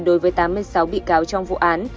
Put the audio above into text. đối với tám mươi sáu bị cáo trong vụ án